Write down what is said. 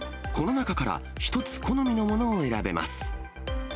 この中から、１つ好みのものを選べます。